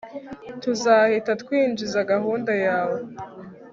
Tuzahita twinjiza gahunda yawe